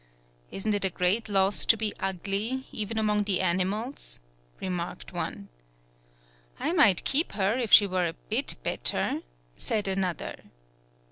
"Isn't it a great loss to be ugly, even among the animals," re marked one. "I might keep her, if she were a bit better,'* said another.